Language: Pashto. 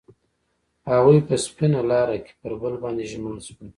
هغوی په سپین لاره کې پر بل باندې ژمن شول.